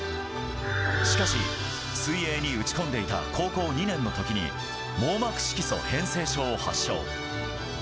しかし、水泳に打ち込んでいた高校２年の時に網膜色素変性症を発症。